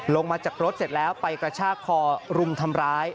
ลงมาจากรถเสร็จแล้วไปกระชากคอรุมทำร้าย